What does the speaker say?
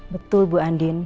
betul mbak andin